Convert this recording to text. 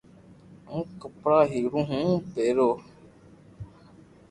ھون ڪپڙا ھيڙيو ھون پيرو